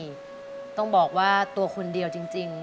พี่ภาบอกว่าตัวคนเดียวจริง